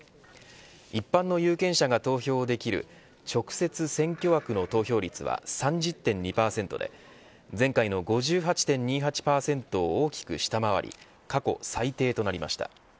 一般の有権者が投票できる直接選挙枠の投票率は３０．２％で前回の５８．２８％を大きく下回り過去最低となりました。